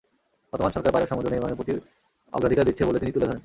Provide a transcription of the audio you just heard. বর্তমান সরকার পায়রা সমুদ্র নির্মাণের প্রতি অগ্রাধিকার দিচ্ছে বলে তিনি তুলে ধরেন।